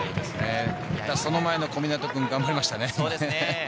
その前の小湊君、頑張りましたね。